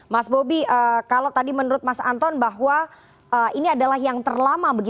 mas bobi kalau tadi menurut mas anton bahwa ini adalah yang terlama